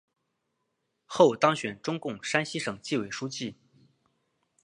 后当选中共山西省纪委书记。